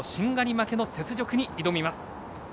負けの雪辱に挑みます。